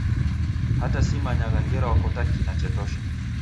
Hata simanyagha ngera w'akota kina chetosha